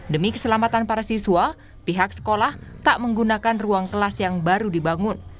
demi keselamatan para siswa pihak sekolah tak menggunakan ruang kelas yang baru dibangun